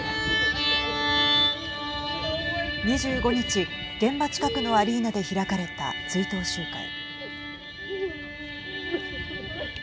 ２５日、現場近くのアリーナで開かれた追悼集会。